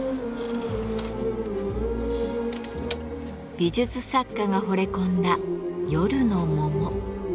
美術作家がほれ込んだ夜の桃。